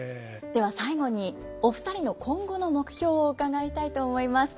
では最後にお二人の今後の目標を伺いたいと思います。